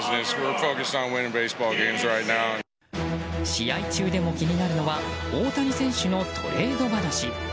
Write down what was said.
試合中でも気になるのは大谷選手のトレード話。